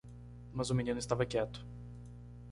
Mas o menino estava quieto.